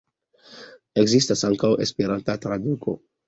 Ekzistas ankaŭ Esperanta traduko.